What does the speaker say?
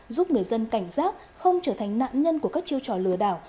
giúp người dân cảnh giác không trở thành nạn nhân của các chiêu trò lừa đảo